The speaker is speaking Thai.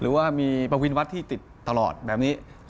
หรือว่ามีปวินวัดที่ติดตลอดแบบนี้